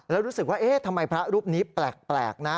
แล้วรู้สึกว่าเอ๊ะทำไมพระรูปนี้แปลกนะ